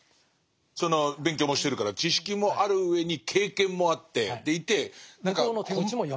その勉強もしてるから知識もあるうえに経験もあってでいて何か。